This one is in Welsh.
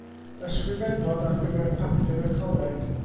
Ysgrifennodd ar gyfer papur y coleg.